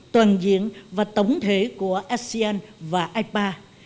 toàn diện và tổng thể của asean và ipa